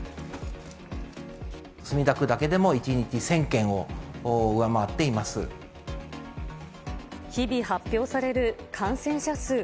墨田区だけでも１日１０００日々発表される感染者数。